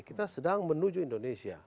kita sedang menuju indonesia